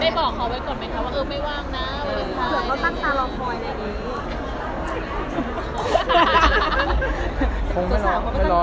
ได้บอกขอไว้ก่อนไหมครับว่าไม่ว่างนะ